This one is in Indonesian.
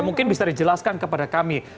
mungkin bisa dijelaskan kepada kami